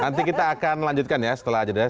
nanti kita akan lanjutkan ya setelah ajadah